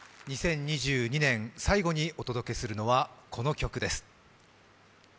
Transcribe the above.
２０２２年最後にお届けするのはこの曲です。